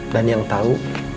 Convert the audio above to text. dan yang tau